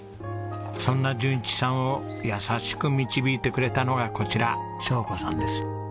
そんな淳一さんを優しく導いてくれたのがこちら彰子さんです。